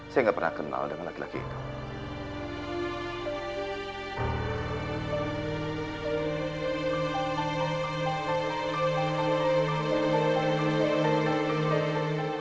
saya nggak pernah kenal dengan laki laki itu